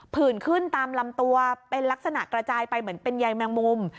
ผื่นขึ้นตามลำตัวเป็นลักษณะกระจายไปเหมือนเป็นใยแมงมุม